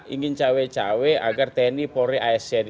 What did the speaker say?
ingin cawai cawai agar tni polri asn